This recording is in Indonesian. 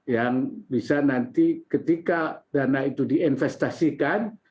yang bisa nanti ketika dana itu diinvestasikan